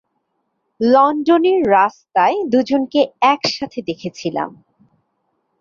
লন্ডনের রাস্তায় দু'জনকে একসঙ্গে দেখেছিলাম।